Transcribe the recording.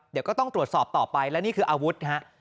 เดี๋ยวก็ต้องตรวจสอบต่อไปและนี่คืออาวุธฮะ